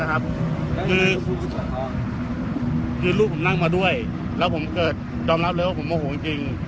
คือลูกผมนั่งมาด้วยแล้วผมเกิดยอมรับเลยว่าผมโมโหจริง